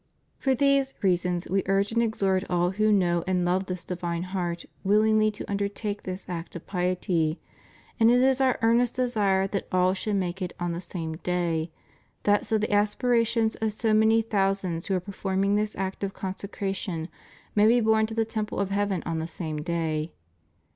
For these reasons "We urge and exhort all who know and love this divine Heart willingly to undertake this act of piety ; and it is Our earnest desire that all should make it on the same day, that so the aspirations of so many thou sands who are performing this act of consecration may be borne to the temple of heaven on the same day.